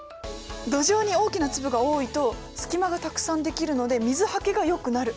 土壌に大きな粒が多いと隙間がたくさんできるので水はけがよくなる。